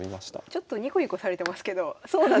ちょっとニコニコされてますけどそうなんですか？